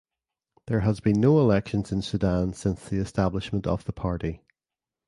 There has been no elections in Sudan since the establishment of the party.